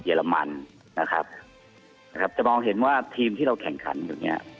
เรมันนะครับนะครับจะมองเห็นว่าทีมที่เราแข่งขันอยู่เนี่ย